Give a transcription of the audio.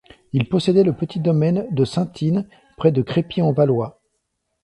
Il possédait le petit domaine de Saintines, près Crépy-en-Valois.